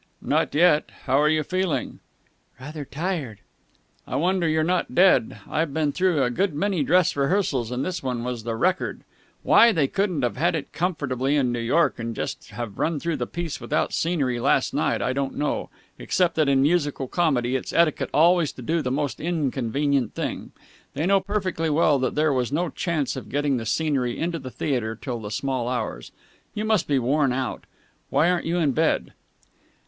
"Not yet. How are you feeling?" "Rather tired." "I wonder you're not dead. I've been through a good many dress rehearsals, but this one was the record. Why they couldn't have had it comfortably in New York and just have run through the piece without scenery last night, I don't know, except that in musical comedy it's etiquette always to do the most inconvenient thing. They know perfectly well that there was no chance of getting the scenery into the theatre till the small hours. You must be worn out. Why aren't you in bed?"